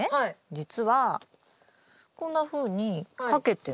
じつはこんなふうに掛けても。